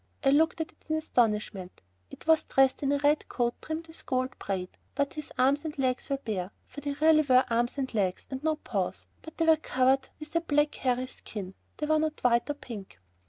I looked at it in astonishment. It was dressed in a red coat trimmed with gold braid, but its arms and legs were bare, for they really were arms and legs, and not paws, but they were covered with a black, hairy skin, they were not white or pink.